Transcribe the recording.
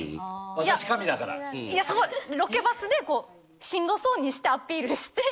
ロケバスでしんどそうにしてアピールして。